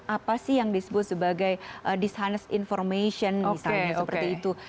apa sih yang disebut sebagai dishonese information misalnya seperti itu